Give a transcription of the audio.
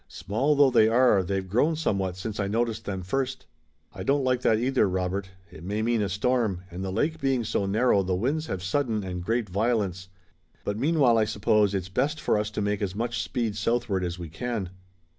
Small though they are, they've grown somewhat since I noticed them first." "I don't like that either, Robert. It may mean a storm, and the lake being so narrow the winds have sudden and great violence. But meanwhile, I suppose it's best for us to make as much speed southward as we can."